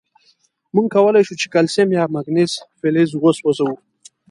مونږ کولای شو چې کلسیم یا مګنیزیم فلز وسوځوو.